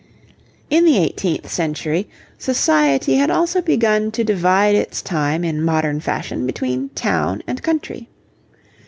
In the eighteenth century, society had also begun to divide its time in modern fashion between town and country.